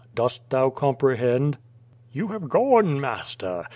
Dost thou comprehend?" *'You have gone, master!